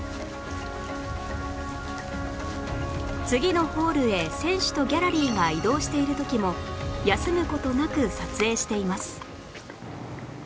次のホールへ選手とギャラリーが移動している時も休む事なく撮影しています